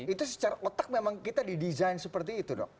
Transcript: itu secara otak memang kita didesain seperti itu dok